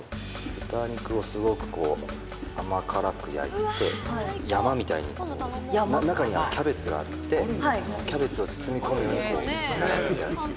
豚肉をすごく甘辛く焼いて、山みたいに、中にはキャベツがあって、キャベツを包み込むように並べてあるっていう。